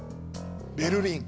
ベルリン。